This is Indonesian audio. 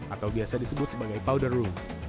atau biasa disebut sebagai powder room